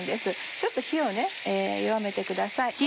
ちょっと火を弱めてください。